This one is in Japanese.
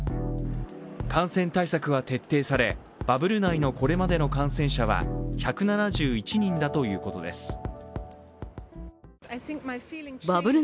感染対策は徹底されバブル内のこれまでの感染者は１７１人だということです。